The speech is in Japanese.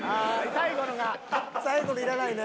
最後のいらないね。